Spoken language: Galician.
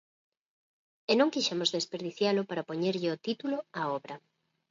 E non quixemos desperdicialo para poñerlle o título á obra.